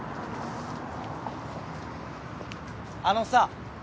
あのさ